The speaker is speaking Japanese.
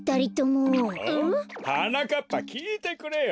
はなかっぱきいてくれよ！